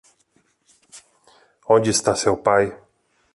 Onde está seu pai?